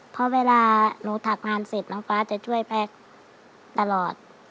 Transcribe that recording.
เพราะเวลาหนูถักงานเสร็จน้องฟ้าจะช่วยแพ็คตลอด